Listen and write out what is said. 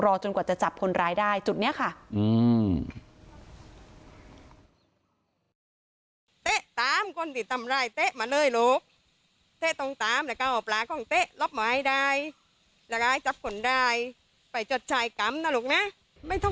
จนกว่าจะจับคนร้ายได้จุดนี้ค่ะ